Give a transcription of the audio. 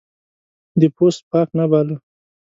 دی پوست پاک نه باله.